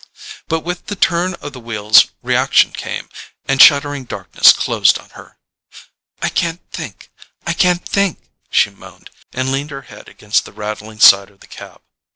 But with the turn of the wheels reaction came, and shuddering darkness closed on her. "I can't think—I can't think," she moaned, and leaned her head against the rattling side of the cab.